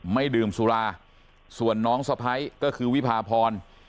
ไม่ดื่มสุราส่วนน้องสะพ้ายก็คือวิพาพร